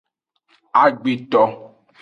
Agbeto.